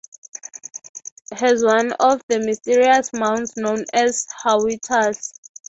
Kudahuvadhoo has one of the mysterious mounds known as "hawittas".